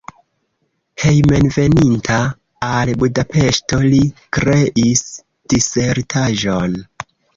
Hejmenveninta al Budapeŝto li kreis disertaĵon.